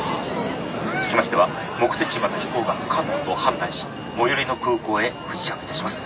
つきましては目的地までの飛行が不可能と判断し最寄りの空港へ不時着いたします。